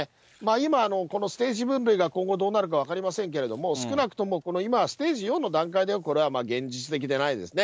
今、このステージ分類が今後どうなるか分かりませんけれども、少なくともこの今、ステージ４の段階でこれは現実的でないですね。